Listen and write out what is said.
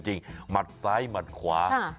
หมัดซ้ายหมัดขวา